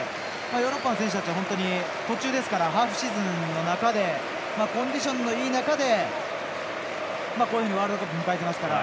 ヨーロッパの選手たちは途中ですからハーフシーズンの中でコンディションのいい中でワールドカップを迎えていますから。